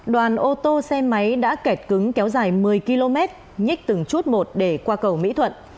đoàn ô tô xe máy đã kẹt cứng kéo dài một mươi km nhích từng chút một để qua cầu mỹ thuận